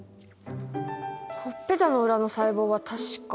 ほっぺたの裏の細胞は確か違いました。